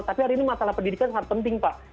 tapi hari ini masalah pendidikan sangat penting pak